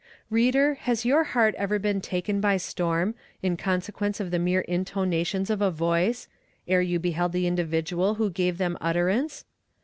Reader, has your heart ever been taken by storm, in consequence of the mere intonations of a voice ere you beheld the individual who gave them utterance?